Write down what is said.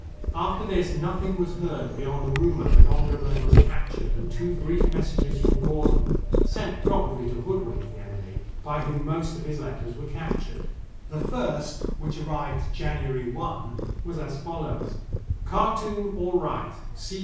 After this nothing was heard beyond the rumor that Omdurman was captured and two brief messages from Gordon, sent probably to hoodwink the enemy, by whom most of his letters were captured. The first, which arrived January i, was as follows: "Khartoum all right.